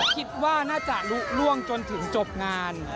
คิดว่าน่าจะลุล่วงจนถึงจบงาน